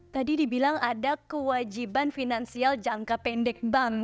tadi dibilang ada kewajiban finansial jangka pendek bank